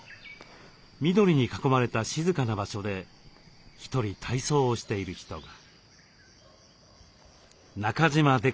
緑に囲まれた静かな場所で一人体操をしている人が。